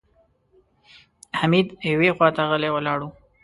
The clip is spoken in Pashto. حميد يوې خواته غلی ولاړ و.